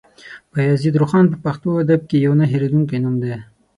بايزيد روښان په پښتو ادب کې يو نه هېرېدونکی نوم دی.